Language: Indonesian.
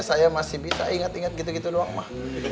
saya masih bisa ingat ingat gitu gitu doang mah